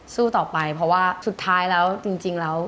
สู้ต่อไปเพราะว่าสุดท้ายแล้วจริงแล้ว